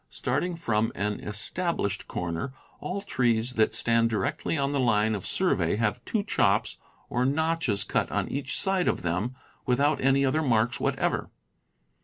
Starting from an established corner, all trees that stand directly on the line of survey have two chops or notches cut on each side of them, without any other marks whatever.